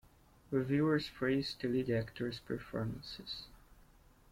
Reviewers praised the lead actors' performances.